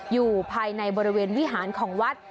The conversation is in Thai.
อยู่ภายในบริเวณวิหารของวัด